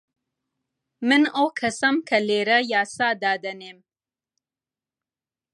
من ئەو کەسەم کە لێرە یاسا دادەنێم.